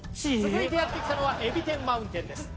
続いてやって来たのはえび天マウンテンです。